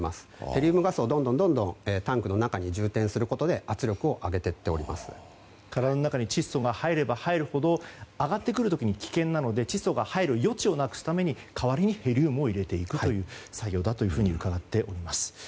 ヘリウムガスをどんどんタンクの中に充填することで体の中に窒素が入れば入るほど上がってくる時に危険なので窒素が入る余地をなくすために、代わりにヘリウムを入れていくという作業だというふうに伺っております。